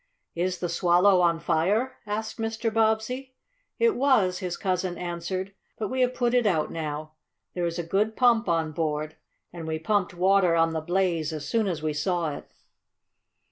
"Is the Swallow on fire?" asked Mr. Bobbsey. "It was," his cousin answered. "But we have put it out now. There is a good pump on board, and we pumped water on the blaze as soon as we saw it."